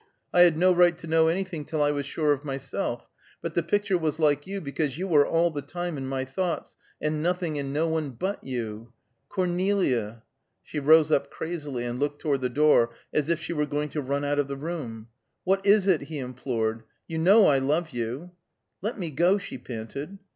I had no right to know anything till I was sure of myself; but the picture was like you because you were all the time in my thoughts, and nothing and no one but you. Cornelia " She rose up crazily, and looked toward the door, as if she were going to run out of the room. "What is it?" he implored. "You know I love you." "Let me go!" she panted.